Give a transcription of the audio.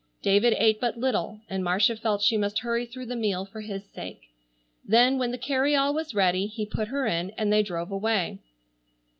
David ate but little, and Marcia felt she must hurry through the meal for his sake. Then when the carryall was ready he put her in and they drove away.